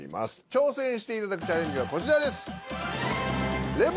挑戦していただくチャレンジはこちらです。